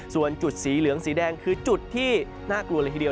ส่วนจุดสีเหลืองสีแดงคือจุดที่น่ากลัวเลยทีเดียว